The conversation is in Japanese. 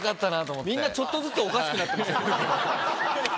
みんなちょっとずつおかしくなってます。